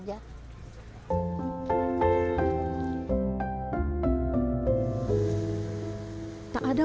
gavar sudah berusaha